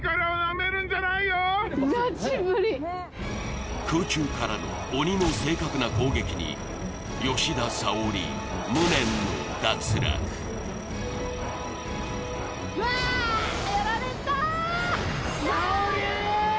ガチ無理空中からの鬼の正確な攻撃に吉田沙保里無念の脱落うわやられたさおりん！